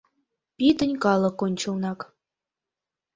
Пӱтынь калык ончылнак